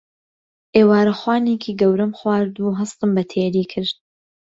ئێوارەخوانێکی گەورەم خوارد و هەستم بە تێری کرد.